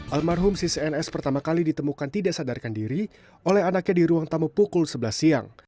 almarhum si cns pertama kali ditemukan tidak sadarkan diri oleh anaknya di ruang tamu pukul sebelas siang